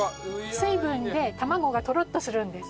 水分で卵がトロッとするんです。